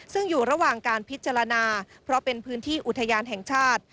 ซึ่งอยู่ระหว่างการพิจารณาเพราะเป็นพื้นที่อุทยานแห่งชาติ